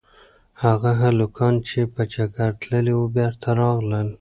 هغه هلکان چې په چکر تللي وو بېرته راغلل.